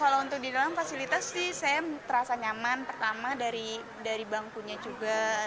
kalau untuk di dalam fasilitas sih saya terasa nyaman pertama dari bangkunya juga